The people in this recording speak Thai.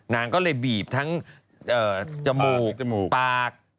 นางก็เลยบีบทั้งจมูกจมูกปาก